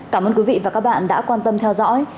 cảm ơn quý vị và các bạn đã quan tâm theo dõi